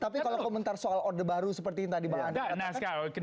tapi kalau komentar soal order baru seperti yang tadi bang